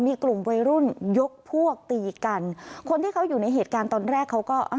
มีกลุ่มวัยรุ่นยกพวกตีกันคนที่เขาอยู่ในเหตุการณ์ตอนแรกเขาก็